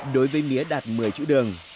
đối với mía đạt một mươi chữ đường